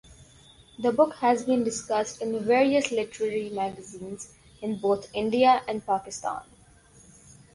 The book has been discussed in various literary magazines in both India and Pakistan.